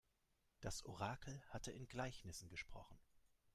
Das Orakel hatte in Gleichnissen gesprochen.